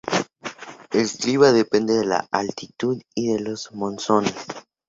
El clima depende de la altitud y de los monzones.